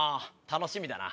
楽しみだな。